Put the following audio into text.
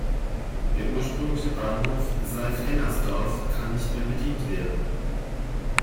Der ursprüngliche Bahnhof Seifhennersdorf kann nicht mehr bedient werden.